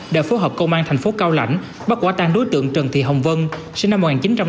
đã phối hợp công an thành phố cao lãnh bắt quả tang đối tượng trần thị hồng vân sinh năm một nghìn chín trăm tám mươi hai